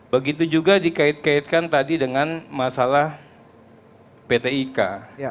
begitu juga dikait kaitkan tadi dengan masalah pt ika